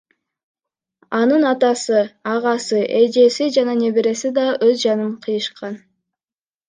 Анын атасы, агасы, эжеси жана небереси да өз жанын кыйышкан.